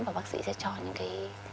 và bác sĩ sẽ cho những cái